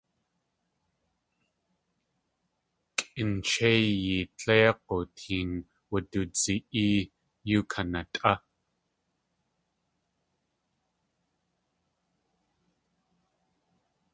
Kʼinchéiyi tléig̲u teen wududzi.ée yóo kanatʼá.